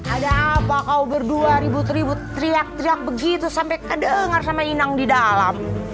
ada apa kau berdua ribut ribut teriak teriak begitu sampai kedengar sama inang di dalam